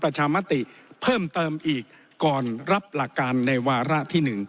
ประชามติเพิ่มเติมอีกก่อนรับหลักการในวาระที่๑